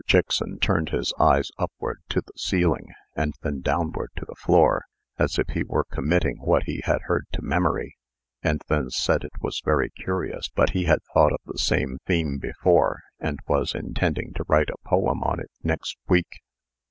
Chickson turned his eyes upward to the ceiling, and then downward to the floor, as if he were committing what he had heard to memory, and then said it was very curious, but he had thought of the same theme before, and was intending to write a poem on it next week.